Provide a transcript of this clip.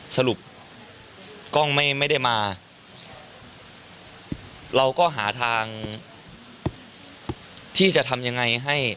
สรุปกล้องไม่ไม่ได้มาเราก็หาทางที่จะทำยังไงให้